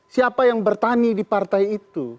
siapa yang bertani di partai itu